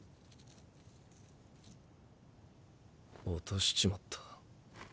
落としちまった。